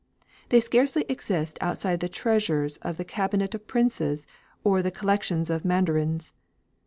They scarcely exist outside the treasures of the cabinets of princes or of the collections of mandarins.